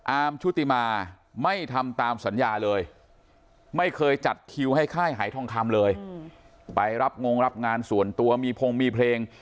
ชุติมาไม่ทำตามสัญญาเลยไม่เคยจัดคิวให้ค่ายหายทองคำเลยไปรับงงรับงานส่วนตัวมีพงมีเพลง